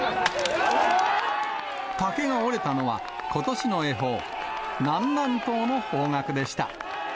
竹が折れたのは、ことしの恵方、南南東の方角でした。